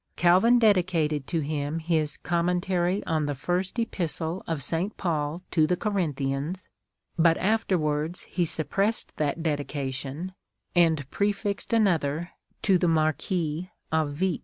Calvin dedicated to him his Commentary on the First Epistle of St. Paul to the Corinthians, but after wards he suppressed that Dedication, and prefixed another to THE Marquis of Vic."